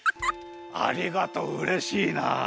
ありがとううれしいな。